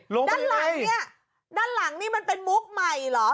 ด้านหลังเนี่ยด้านหลังนี่มันเป็นมุกใหม่เหรอ